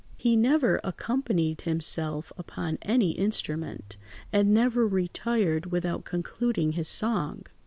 He never accompanied himself upon any instrument, and never retired without concluding his song.